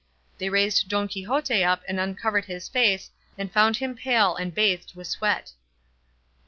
They raised Don Quixote up and uncovered his face, and found him pale and bathed with sweat.